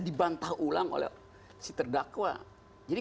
dibantah ulang oleh si terdakwa jadi